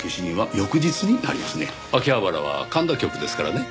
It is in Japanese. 秋葉原は神田局ですからね。